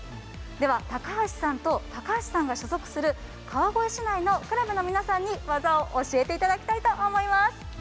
では高橋さんと高橋さんが所属する川越市内のクラブの皆さんに技を教えていただきたいと思います。